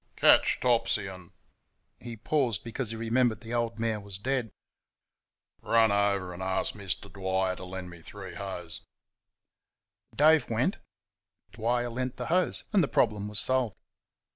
"Catch Topsy and " He paused because he remembered the old mare was dead. "Run over and ask Mister Dwyer to lend me three hoes." Dave went; Dwyer lent the hoes; and the problem was solved.